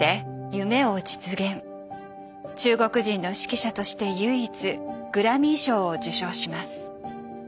中国人の指揮者として唯一グラミー賞を受賞します。